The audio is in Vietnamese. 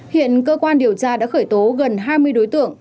hiện cơ quan điều tra đã khởi tố gần hai mươi đối tượng